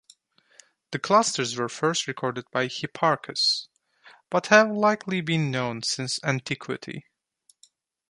The clusters were first recorded by Hipparchus, but have likely been known since antiquity.